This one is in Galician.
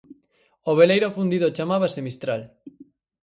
O veleiro afundido chamábase Mistral.